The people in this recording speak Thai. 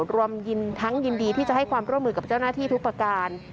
รวมทั้งยินดีที่จะให้ความร่วมมือกับเจ้าหน้าที่ทุกประการ